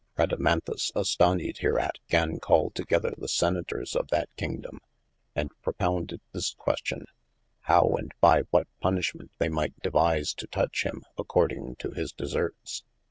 Radamanthus astonied hereat, gan call togeather the Senators of that kingdome, and propounded this question, howe & by what punnishment they might devise to touche him according to his deserts